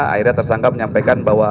akhirnya tersangka menyampaikan bahwa